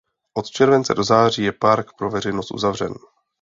Od července do září je park pro veřejnost uzavřen.